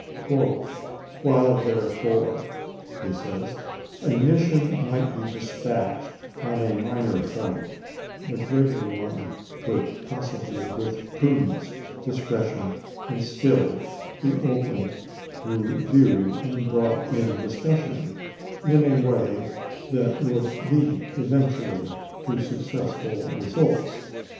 "While, therefore," he says, " a mission might be dispatched on a minor point, the greater one could possibly, with prudence, discretion, and skill, be opened to view and brought in discussion, in a way that THE DEFEAT OF THE PEACE PAETY AT THE POLLS 371 would lead eventually to successful results.